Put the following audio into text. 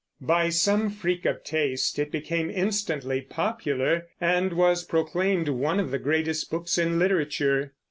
By some freak of taste it became instantly popular, and was proclaimed one of the greatest books in literature.